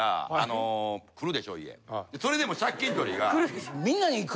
それでも借金取りが。